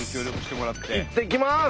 いってきます！